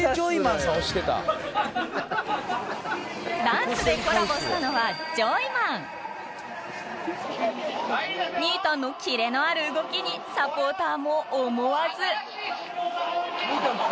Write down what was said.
ダンスでコラボしたのはニータンのキレのある動きにサポーターも思わず